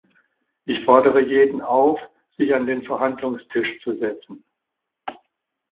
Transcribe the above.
Ich fordere jeden auf, sich an den Verhandlungstisch zu setzen.